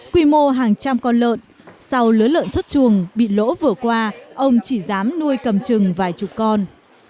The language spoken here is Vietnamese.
quy mô hàng trăm con lợn sau lứa lợn xuất chuồng bị lỗ vừa qua ông chỉ dám nuôi cầm trừng vài chục con